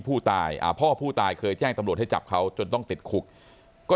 ผู้ตายอ่าพ่อผู้ตายเคยแจ้งตำรวจให้จับเขาจนต้องติดคุกก็